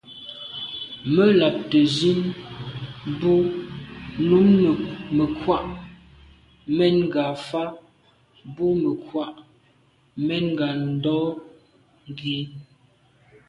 Mə́ làptə̀ zín bú nùúm mə́ krwàá’ mɛ̂n ngà fa’ bú gə̀ mə́ krwàá’ mɛ̂n ngà ndɔ́ gí.